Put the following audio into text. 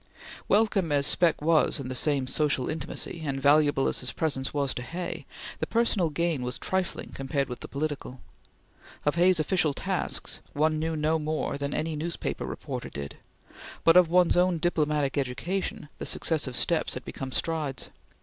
Welcome as Speck was in the same social intimacy, and valuable as his presence was to Hay, the personal gain was trifling compared with the political. Of Hay's official tasks, one knew no more than any newspaper reporter did, but of one's own diplomatic education the successive steps had become strides.